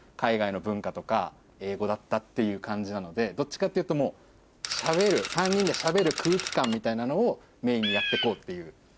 だったっていう感じなのでどっちかっていうともう３人がしゃべる空気感みたいなのをメインにやって行こうっていう。